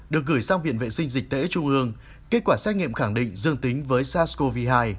được gửi sang viện vệ sinh dịch tễ trung ương kết quả xét nghiệm khẳng định dương tính với sars cov hai